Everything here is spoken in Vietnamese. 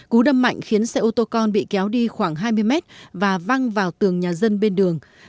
cú đâm mạnh khiến xe ô tô con bị kéo đi khoảng hai mươi mét và văng vào tường nhà dân bên đường